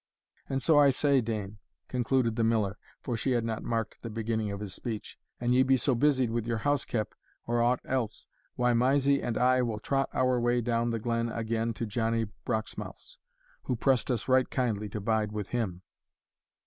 "And so I say, dame," concluded the Miller, (for she had not marked the beginning of his speech,) "an ye be so busied with your housekep, or ought else, why, Mysie and I will trot our way down the glen again to Johnnie Broxmouth's, who pressed us right kindly to bide with him."